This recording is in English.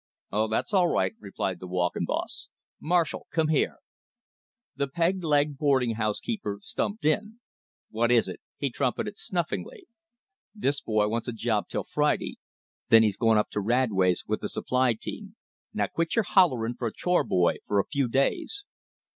"Oh, that's all right," replied the walking boss. "Marshall, come here!" The peg legged boarding house keeper stumped in. "What is it?" he trumpeted snufflingly. "This boy wants a job till Friday. Then he's going up to Radway's with the supply team. Now quit your hollerin' for a chore boy for a few days."